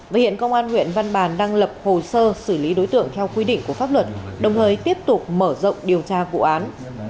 và hiện công an huyện văn bàn đang lập hồ sơ xử lý đối tượng theo quy định của pháp luật đồng thời tiếp tục mở rộng điều tra vụ án